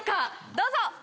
どうぞ！